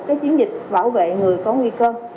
cái chiến dịch bảo vệ người có nguy cơ